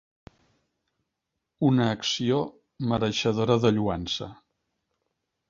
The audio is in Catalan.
Una acció mereixedora de lloança.